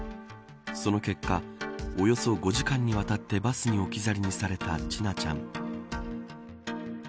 その結果、およそ５時間にわたってバスに置き去りにされた千奈ちゃん。